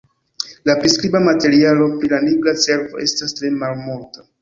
La priskriba materialo pri la nigra cervo estas tre malmulta.